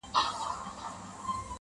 ما یې لیدی پر یوه لوړه څانګه-